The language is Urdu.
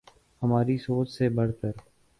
ہماری سوچ سے بڑھ کر